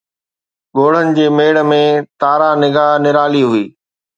ڳوڙهن جي ميڙ ۾، تارا نگاه نرالي هئي